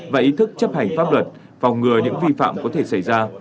và ý thức chấp hành pháp luật phòng ngừa những vi phạm có thể xảy ra